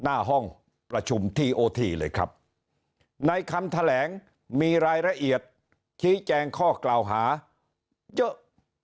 หน้าห้องประชุมทีโอทีเลยครับในคำแถลงมีรายละเอียดชี้แจงข้อกล่าวหาเยอะ